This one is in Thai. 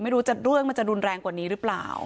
ไม่รู้เรื่องมันจะรุนแรงกว่านี้หรือเปล่า